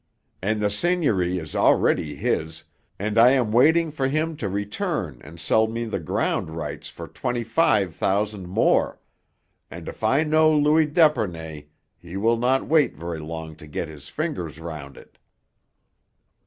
And the seigniory is already his, and I am waiting for him to return and sell me the ground rights for twenty five thousand more, and if I know Louis d'Epernay he will not wait very long to get his fingers round it."